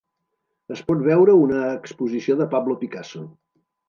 Es pot veure una exposició de Pablo Picasso